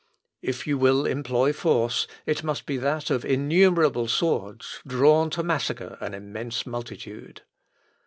If you will employ force, it must be that of innumerable swords, drawn to massacre an immense multitude.